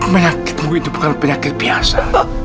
menyakitimu itu bukan penyakit biasa